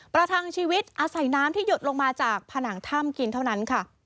ทังชีวิตอาศัยน้ำที่หยดลงมาจากผนังถ้ำกินเท่านั้นค่ะ